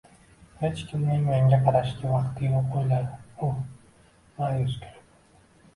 Hech kimning menga qarashga vaqti yo`q o`yladi u, ma`yus kulib